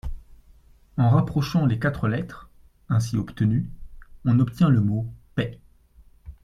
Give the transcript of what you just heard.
En rapprochant les quatre lettres, ainsi obtenues, on obtient le mot : PAIX.